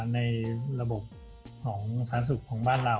ในระบบของสาธารณสุขของบ้านเรา